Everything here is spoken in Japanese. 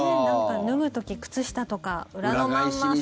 脱ぐ時、靴下とか裏のまんま。